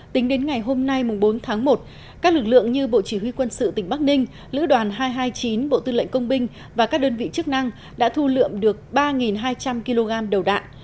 tính đến ngày hôm nay bốn tháng một các lực lượng như bộ chỉ huy quân sự tỉnh bắc ninh lữ đoàn hai trăm hai mươi chín bộ tư lệnh công binh và các đơn vị chức năng đã thu lượm được ba hai trăm linh kg đầu đạn